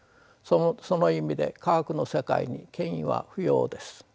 その意味で科学の世界に権威は不要です。